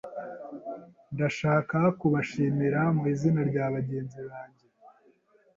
Ndashaka kubashimira mu izina rya bagenzi banjye.